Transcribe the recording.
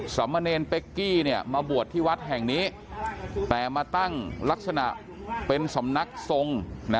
มะเนรเป๊กกี้มาบวชที่วัดแห่งนี้แต่มาตั้งลักษณะเป็นสำนักทรง